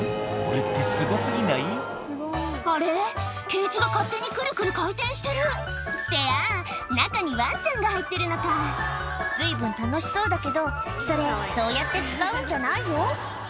ケージが勝手にくるくる回転してるってあぁ中にワンちゃんが入ってるのか随分楽しそうだけどそれそうやって使うんじゃないよ